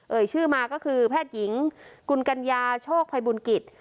ชื่อมาก็คือแพทย์หญิงกุลกัญญาโชคภัยบุญกิจ